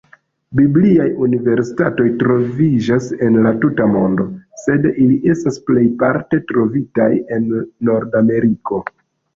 Bibliaj universitatoj troviĝas en la tuta mondo, sed ili estas plejparte trovitaj en Nordameriko.